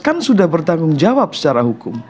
kan sudah bertanggung jawab secara hukum